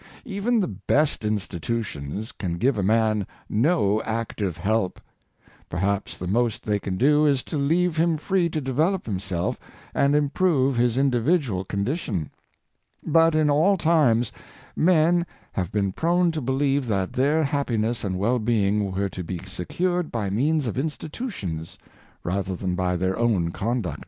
Even the best institutions can give a man no active help. Perhaps the most they can do is to leave him free to develop himself and improve his individual condition. But, in all times, men have been prone to believe that their happiness and well being were to be secured by means of institutions rather than by their own conduct.